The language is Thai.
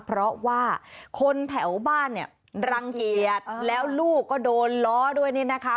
เพราะว่าคนแถวบ้านเนี่ยรังเกียจแล้วลูกก็โดนล้อด้วยนี่นะคะ